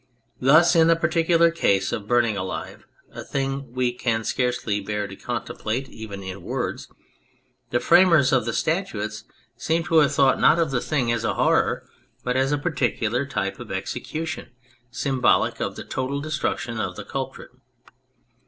Thus in the particular case of burning alive a thing we can scarcely bear to contemplate even in words the framers of the statutes seem to have thought not of 74 On Believing the thing as a horror but as a particular type of execution symbolic of the total destruction of the culprit.